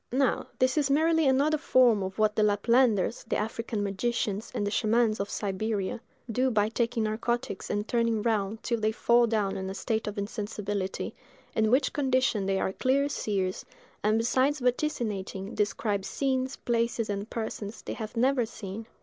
Now this is merely another form of what the Laplanders, the African magicians, and the Schaamans of Siberia, do by taking narcotics and turning round till they fall down in a state of insensibility, in which condition they are clear seers, and besides vaticinating, describe scenes, places, and persons, they have never seen.